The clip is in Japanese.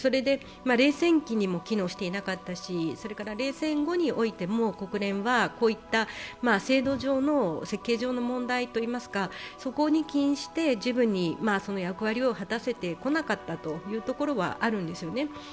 冷戦期にも機能していなかったし、冷戦後においても国連はこういった制度上の設計上の問題といいますかそこに起因して十分に役割を果たせてこなかったというところはあるんですよね。